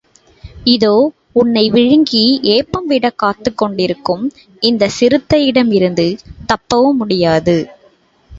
இதோ, உன்னை விழுங்கி ஏப்பம் விடக் காத்துக் கொண்டிருக்கும் இந்தச் சிறுத்தையிடமிருந்து தப்பவும் முடியாது.